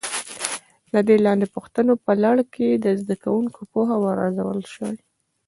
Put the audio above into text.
د دې لاندې پوښتنو په لړ کې د زده کوونکو پوهه وارزول شي.